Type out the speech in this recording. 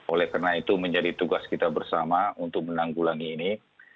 oleh karena itu menjadi tugas kita bersama untuk menanggulangi ini